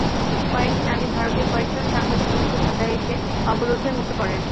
কয়েক দিন আগে ভারতের কয়েকজন সাংবাদিক বন্ধু ঢাকায় এসে অবরোধের মুখে পড়েন।